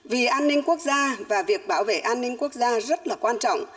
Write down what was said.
vì an ninh quốc gia và việc bảo vệ an ninh quốc gia rất là quan trọng